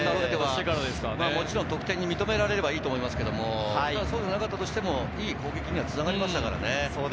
もちろん得点が認められればいいと思いますけれど、そうでなかったとしても、いい攻撃に繋がりましたからね。